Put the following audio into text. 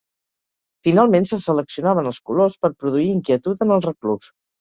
Finalment, se seleccionaven els colors per produir inquietud en el reclús.